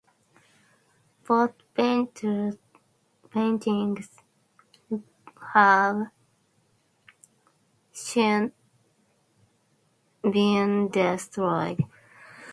Both paintings have since been destroyed.